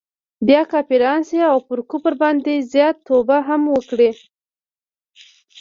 بیا کافران سي او پر کفر باندي زیات توب هم وکړي.